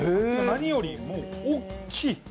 何より、大きい。